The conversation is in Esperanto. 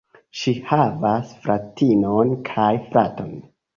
Ŝi havas fratinon kaj fraton.